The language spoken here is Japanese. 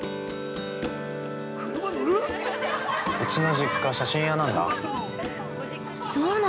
うちの実家、写真屋なんだ。